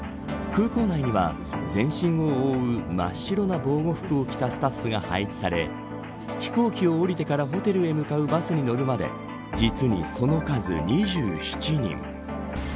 空港内には、全身を覆う真っ白な防護服を着たスタッフが配置され飛行機を降りてからホテルに向かうバスに乗るまで実に、その数２７人。